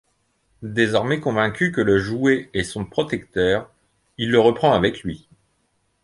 Désormais convaincu que le jouet est son protecteur, il le reprend avec lui.